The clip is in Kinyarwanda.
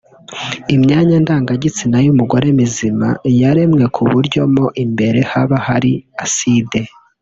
Imyanya ndangagitsina y’umugore mizima yaremwe kuburyo mo imbere haba hari “acide”